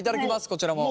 こちらも。